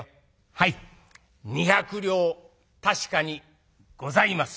「はい２百両確かにございます」。